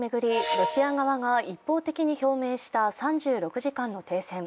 ロシア側が一方的に表明した３６時間の停戦。